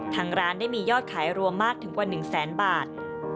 ทางร้านได้มียอดขายรวมมากถึงกว่า๑แสนบาท